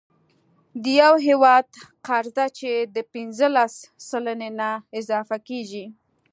د یو هیواد قرضه چې د پنځلس سلنې نه اضافه کیږي،